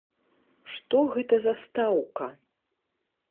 Што гэта за стаўка?